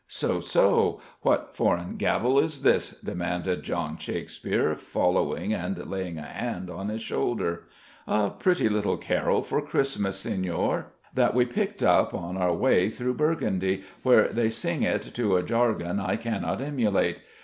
"So? So? What foreign gabble is this?" demanded John Shakespeare, following and laying a hand on his shoulder. "A pretty little carol for Christmas, Signore, that we picked up on our way through Burgundy, where they sing it to a jargon I cannot emulate.